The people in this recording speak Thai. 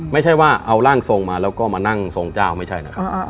ไม่ใช่ว่าเอาร่างทรงมาแล้วก็มานั่งทรงเจ้าไม่ใช่นะครับ